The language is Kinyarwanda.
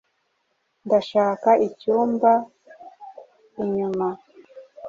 Ndashaka icyumba inyuma.